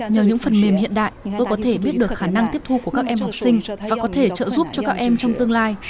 nhờ những phần mềm hiện đại tôi có thể biết được khả năng tiếp thu của các em học sinh và có thể trợ giúp cho các em trong tương lai